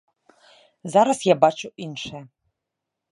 Зараз я бачу іншае.